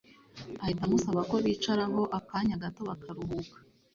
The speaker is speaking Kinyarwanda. ahita amusaba ko bicara ho akanya gato bakaruhuka